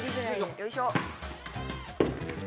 よいしょ！